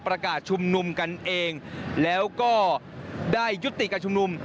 ชุมนุมกันเองแล้วก็ได้ยุติการชุมนุม